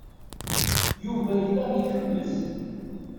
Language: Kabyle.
Yuba yella ikemmez.